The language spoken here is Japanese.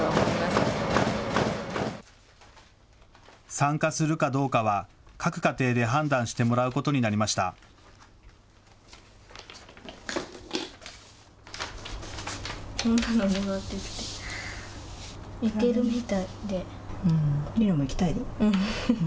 参加するかどうかは、各家庭で判断してもらうことになりました。